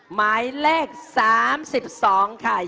หมายเลข๓๒ค่ะ